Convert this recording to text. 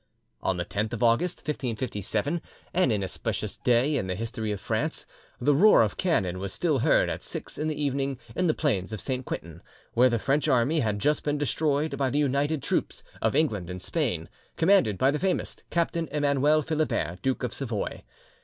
On the 10th of, August 1557, an inauspicious day in the history of France, the roar of cannon was still heard at six in the evening in the plains of St. Quentin; where the French army had just been destroyed by the united troops of England and Spain, commanded by the famous Captain Emanuel Philibert, Duke of Savoy.